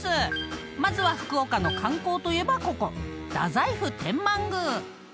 ［まずは福岡の観光といえばここ太宰府天満宮］